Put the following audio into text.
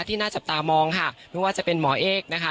น่าจับตามองค่ะไม่ว่าจะเป็นหมอเอกนะคะ